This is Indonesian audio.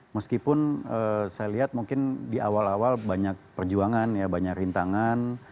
meskipun saya lihat mungkin di awal awal banyak perjuangan ya banyak rintangan